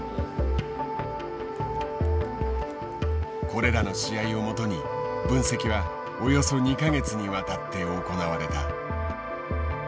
これらの試合をもとに分析はおよそ２か月にわたって行われた。